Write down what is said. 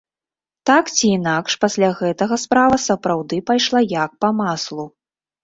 Так ці інакш, пасля гэтага справа сапраўды пайшла як па маслу.